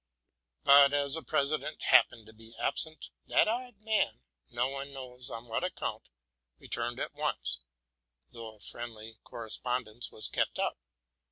But, as the president happened to be absent, that odd man, no one knows on what account, returned at once ; though a friendly correspondence was kept up.